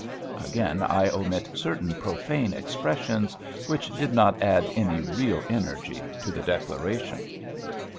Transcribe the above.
Again, I omit certain profane expressions which did not add any real energy to the declaration.